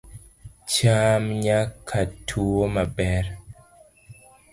cham nyaka tuwo maber